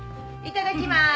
いただきます。